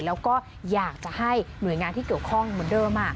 แล้วก็อยากจะให้หน่วยงานที่เกี่ยวข้องเหมือนเดิม